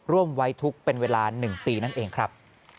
ร่วมไว้ทุกข์เป็นเวลา๑ปีนั่นเองครับ